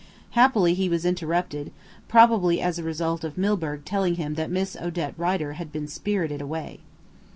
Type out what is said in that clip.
Happily he was interrupted, probably as a result of Milburgh telling him that Miss Odette Rider had been spirited away."